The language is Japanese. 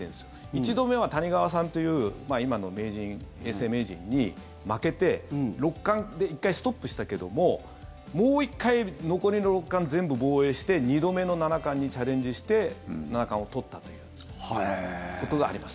１度目は谷川さんという今の永世名人に負けて六冠で１回ストップしたけどももう１回残りの六冠全部防衛して２度目の七冠にチャレンジして七冠を取ったということがあります。